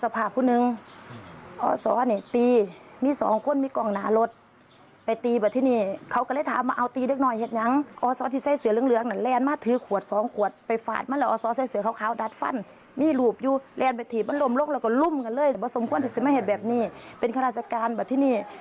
เพราะว่าถ้าไม่เห็นแบบนี้เป็นการราชการแบบนี้